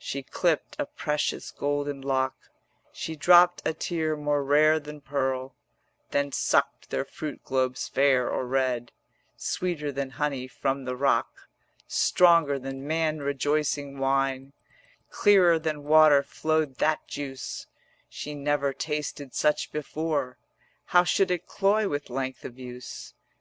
She clipped a precious golden lock, She dropped a tear more rare than pearl, Then sucked their fruit globes fair or red: Sweeter than honey from the rock, Stronger than man rejoicing wine, 130 Clearer than water flowed that juice; She never tasted such before, How should it cloy with length of use?